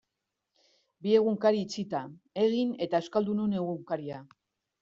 Bi egunkari itxita, Egin eta Euskaldunon Egunkaria.